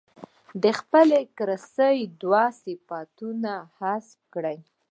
د خپلې کرنسۍ دوه صفرونه حذف کړي.